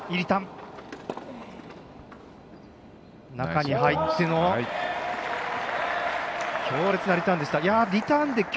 中に入っての強烈なリターンでした。